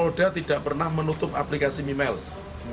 roda tidak pernah menutup aplikasi memiles